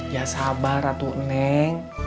ya sabar ratu neng